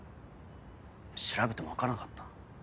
調べても分からなかった。